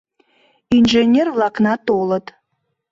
Инженер-влакна толыт.